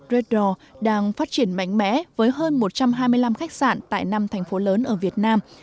reddor đang phát triển mạnh mẽ với hơn một trăm hai mươi năm khách sạn tại năm thành phố lớn ở việt nam